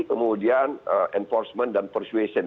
kemudian enforcement dan persuasion